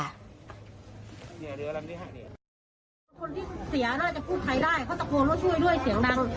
คนที่เสียน่าจะพูดใครได้เขาตะโกนก็ช่วยด้วยเสียงดังอ๋อ